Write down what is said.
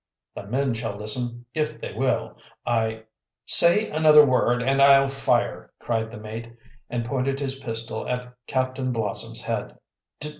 "The men shall listen, if they will. I "Say another word and I'll fire!" cried the mate, and pointed his pistol at Captain Blossom's head.